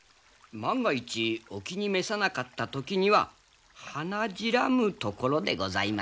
万が一お気に召さなかった時には鼻白むところでございました。